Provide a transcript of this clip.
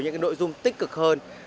những nội dung tích cực hơn